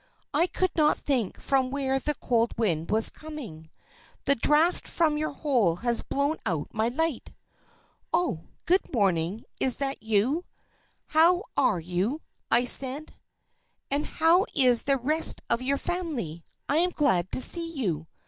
"I could not think from where the cold wind was coming. The draught from your hole has blown out my light." "Oh! Good morning! Is that you? How are you?" said I. "And how is the rest of your family? I am glad to see you.